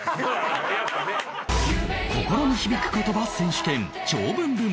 心に響く言葉選手権長文部門